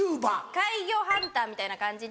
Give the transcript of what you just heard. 怪魚ハンターみたいな感じで。